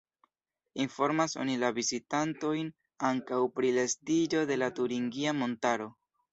Informas oni la vizitantojn ankaŭ pri la estiĝo de la turingia montaro.